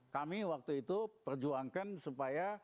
kami waktu itu perjuangkan supaya